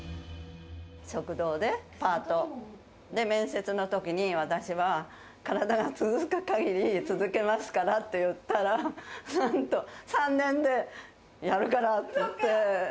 食堂でパート、面接のときに、私は体が続くかぎり続けますからと言ったら、なんと３年で、やるからって言って。